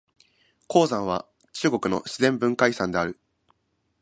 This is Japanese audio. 黄山は中国の自然文化遺産である。